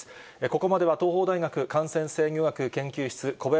ここまでは、東邦大学感染制御学研究室、小林寅